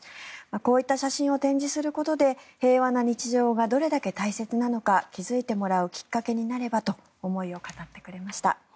こういった写真を展示することで平和な日常がどれだけ大切なのか気付いてもらうきっかけになればと思いを語ってくれました。